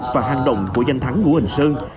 và hành động của danh thắng ngũ hành sơn